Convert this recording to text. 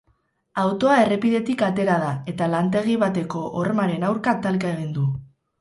Autoa errepidetik atera da, eta lantegi bateko hormaren aurka talka egin du.